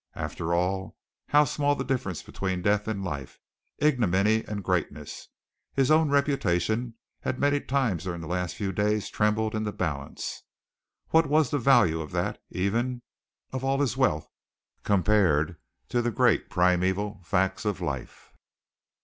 After all, how small the difference between Death and Life, ignominy and greatness! His own reputation had many times during the last few days trembled in the balance. What was the value of that, even, of all his wealth, compared to the great primeval facts of life?